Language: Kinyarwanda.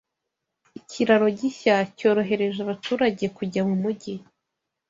Ikiraro gishya cyorohereje abaturage kujya mu mujyi.